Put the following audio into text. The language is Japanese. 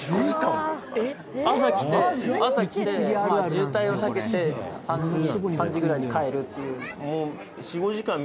渋滞を避けて３時ぐらいに帰るっていう